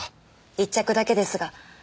一着だけですが。